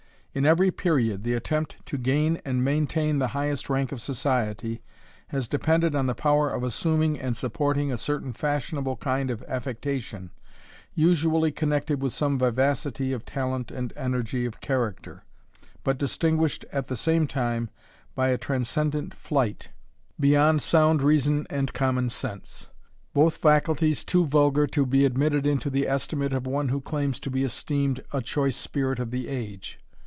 In every period, the attempt to gain and maintain the highest rank of society, has depended on the power of assuming and supporting a certain fashionable kind of affectation, usually connected with some vivacity of talent and energy of character, but distinguished at the same time by a transcendent flight, beyond sound reason and common sense; both faculties too vulgar to be admitted into the estimate of one who claims to be esteemed "a choice spirit of the age."